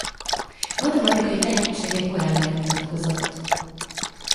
Matematikai tehetsége korán megmutatkozott.